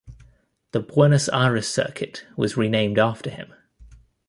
The Buenos Aires circuit was renamed after him.